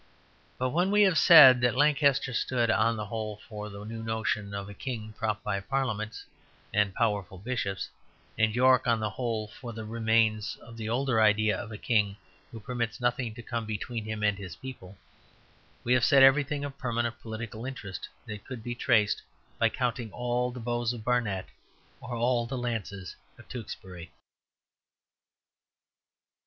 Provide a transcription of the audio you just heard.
But when we have said that Lancaster stood, on the whole, for the new notion of a king propped by parliaments and powerful bishops, and York, on the whole, for the remains of the older idea of a king who permits nothing to come between him and his people, we have said everything of permanent political interest that could be traced by counting all the bows of Barnet or all the lances of Tewkesbury.